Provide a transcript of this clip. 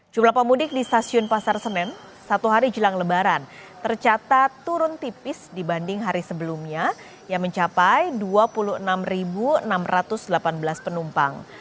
jumlah pemudik di stasiun pasar senen satu hari jelang lebaran tercatat turun tipis dibanding hari sebelumnya yang mencapai dua puluh enam enam ratus delapan belas penumpang